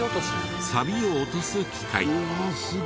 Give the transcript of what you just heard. サビを落とす機械。